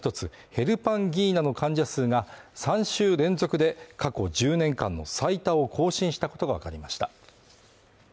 ヘルパンギーナの患者数が３週連続で過去１０年間の最多を更新したことがわかりました。